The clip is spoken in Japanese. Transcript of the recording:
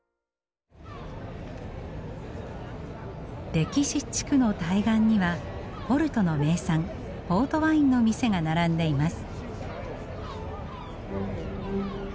歴史地区の対岸にはポルトの名産ポートワインの店が並んでいます。